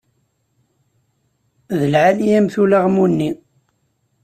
D lɛali-yam-t ulaɣmu-nni.